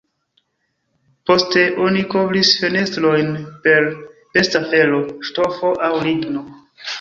Poste, oni kovris fenestrojn per besta felo, ŝtofo aŭ ligno.